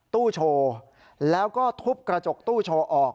ตู้โชว์แล้วก็ทุบกระจกตู้โชว์ออก